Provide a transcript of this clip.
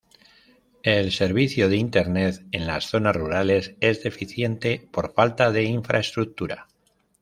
El servicio de internet en las zonas rurales es deficiente por falta de infraestructura.